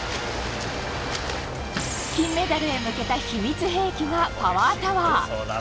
金メダルへ向けた秘密兵器のパワータワー。